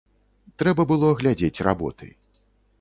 Трэба было глядзець работы.